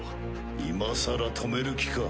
今更止める気か？